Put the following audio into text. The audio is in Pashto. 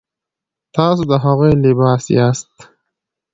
تاسو د هغوی لباس یاست.